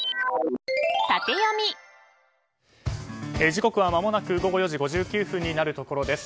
時刻はまもなく午後４時５９分になるところです。